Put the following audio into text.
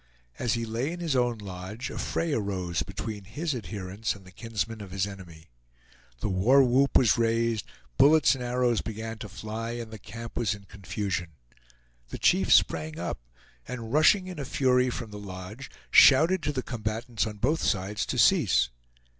As he lay in his own lodge, a fray arose between his adherents and the kinsmen of his enemy. The war whoop was raised, bullets and arrows began to fly, and the camp was in confusion. The chief sprang up, and rushing in a fury from the lodge shouted to the combatants on both sides to cease.